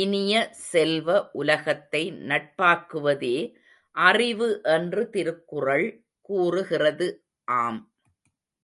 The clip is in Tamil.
இனிய செல்வ, உலகத்தை நட்பாக்குவதே அறிவு என்று திருக்குறள் கூறுகிறது ஆம்!